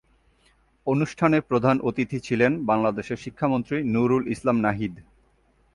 অনুষ্ঠানে প্রধান অতিথি ছিলেন বাংলাদেশের শিক্ষামন্ত্রী নুরুল ইসলাম নাহিদ।